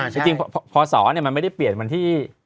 จริงพศมันไม่ได้เปลี่ยนวันที่